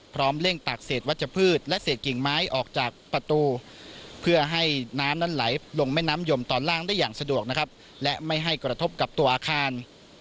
เร่งตากเศษวัชพืชและเศษกิ่งไม้ออกจากประตูเพื่อให้น้ำนั้นไหลลงแม่น้ำยมตอนล่างได้อย่างสะดวกนะครับและไม่ให้กระทบกับตัวอาคาร